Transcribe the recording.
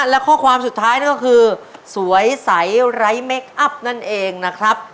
และข้อความสุดท้ายนั่นก็คือสวยใสไร้เมคอัพนั่นเองนะครับ